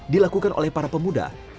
dilakukan oleh para pemuda